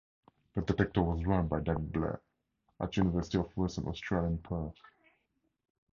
The detector was run by David Blair at University of Western Australia in Perth.